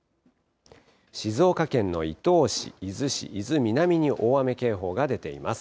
静岡県の伊東市、伊豆市、伊豆南に大雨警報が出ています。